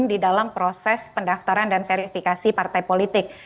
di dalam proses pendaftaran dan verifikasi partai politik